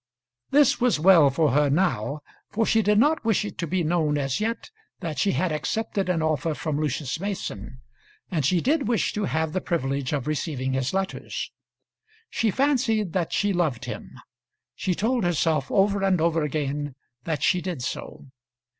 This was well for her now, for she did not wish it to be known as yet that she had accepted an offer from Lucius Mason, and she did wish to have the privilege of receiving his letters. She fancied that she loved him. She told herself over and over again that she did so.